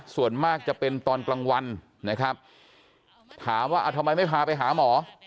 ส่วนมากจะเป็นตอนกลางวันนะครับถามว่าทำไมไม่พาไปหาหมอ